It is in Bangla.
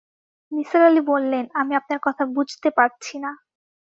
নিসার আলি বললেন, আমি আপনার কথা বুঝতে পারছি না।